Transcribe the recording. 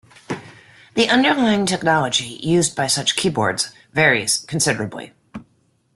The underlying technology used by such keyboards varies considerably.